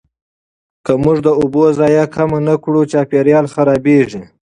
که موږ د اوبو ضایع کم نه کړو، چاپیریال خرابېږي.